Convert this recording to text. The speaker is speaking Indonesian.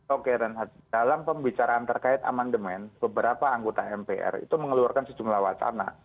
oke renhat dalam pembicaraan terkait amandemen beberapa anggota mpr itu mengeluarkan sejumlah wacana